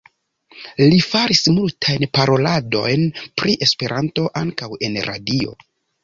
Li faris multajn paroladojn pri Esperanto, ankaŭ en radio.